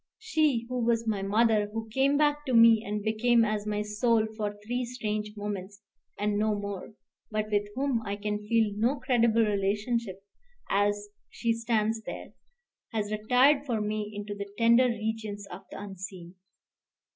She who was my mother, who came back to me and became as my soul for three strange moments and no more, but with whom I can feel no credible relationship as she stands there, has retired for me into the tender regions of the unseen.